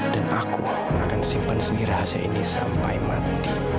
dan aku akan simpan sendiri rahasia ini sampai mati